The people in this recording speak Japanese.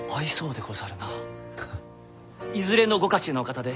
いずれのご家中のお方で？